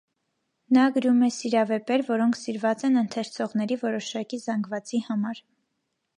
Նա գրում է սիրավեպեր, որոնք սիրված են ընթերցողների որոշակի զանգվածի համար։